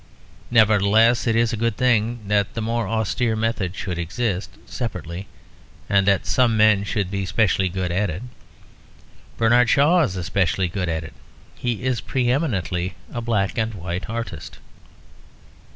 Nevertheless, it is a good thing that the more austere method should exist separately, and that some men should be specially good at it. Bernard Shaw is specially good at it; he is pre eminently a black and white artist.